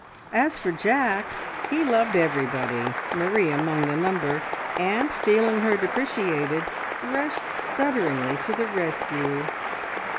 As for Jack, he loved everybody, Marie among the number, and, feeling her depreciated, rushed stutteringly to the rescue.